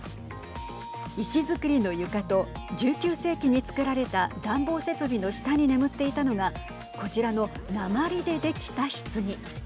石づくりの床と１９世紀に作られた暖房設備の下に眠っていたのがこちらの鉛でできたひつぎ。